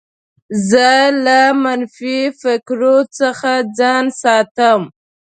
زه له منفي فکرو څخه ځان ساتم.